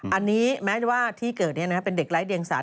อันนี้แม้ว่าที่เกิดเนี่ยนะครับเป็นเด็กไร้เดียงสาว